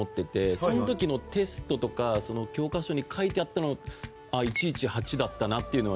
その時のテストとか教科書に書いてあったの１１８だったなっていうのは。